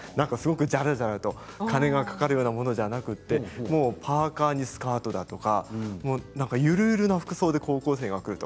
ジャラジャラと金がかかるようなものではなくパーカーにスカートだったりゆるゆるな服装で高校生が来ると。